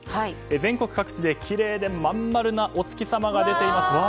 全国各地できれいで真ん丸なお月様が出ています。